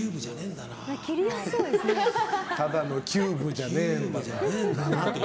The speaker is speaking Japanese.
ただのキューブじゃねえんだな。